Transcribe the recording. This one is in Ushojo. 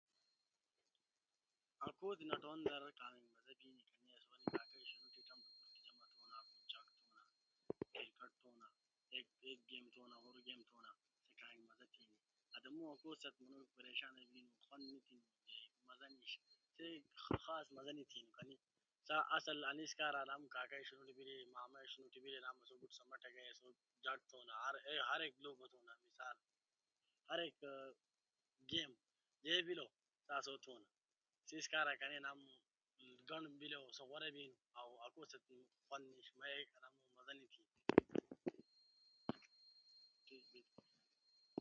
عکوتی نٹونو دار منوڇو خافابی نو او لالی سیت بیل نٹونو دار مازا بیل